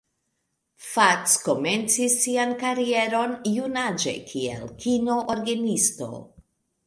Fats komencis sian karieron junaĝe kiel kino-orgenisto.